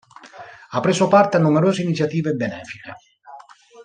Ha preso parte a numerose iniziative benefiche.